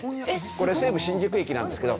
これ西武新宿駅なんですけど。